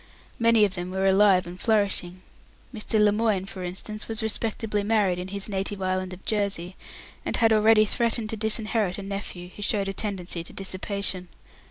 Many of them were alive and flourishing. Mr. Lemoine, for instance, was respectably married in his native island of Jersey, and had already threatened to disinherit a nephew who showed a tendency to dissipation.